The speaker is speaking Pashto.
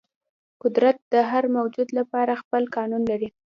قدرت د هر موجود لپاره خپل قانون لري.